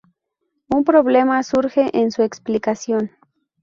Un problema surge en su explicación.